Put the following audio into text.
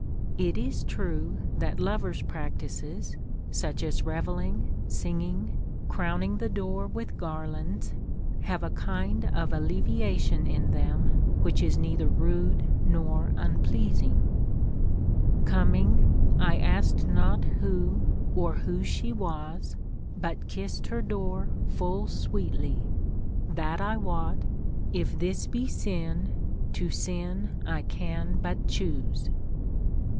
It is * n. XVII. 591. CONCERNING THE CURE OF ANGER. 39 true that lovers' practices, such as revelling, singing, crown ing tlie door with garlands, have a kind of alleviation in them which is neither rude nor unpleasing :— Coming, I asked not who or wliose she was, But kissed lier door full sweetly, — that I wot ; If this be sin, to sin I can but choose.